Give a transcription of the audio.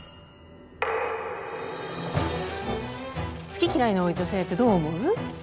好き嫌いの多い女性ってどう思う？